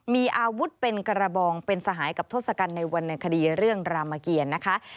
มีอาวุธเป็นกระบองเป็นสหายกับทศกัณฐ์ในวรรณคดีเรื่องรามเกียรนะคะ